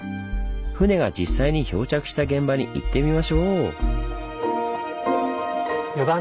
船が実際に漂着した現場に行ってみましょう！